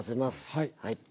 はい。